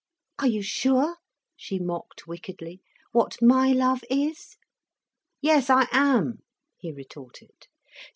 "Are you sure?" she mocked wickedly, "what my love is?" "Yes, I am," he retorted.